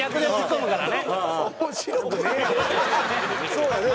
そうよね